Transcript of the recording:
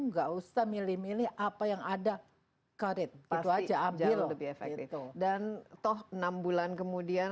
nggak usah milih milih apa yang ada karit itu aja ambil lebih efektif dan toh enam bulan kemudian